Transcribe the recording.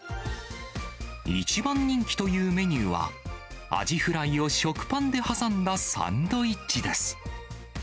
一番人気というメニューは、アジフライを食パンで挟んだサンドイッチです。